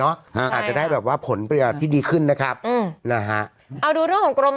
อาจจะได้แบบว่าผลประโยชน์ที่ดีขึ้นนะครับอืมนะฮะเอาดูเรื่องของกรม